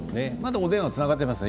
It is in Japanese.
お電話がつながっていますか？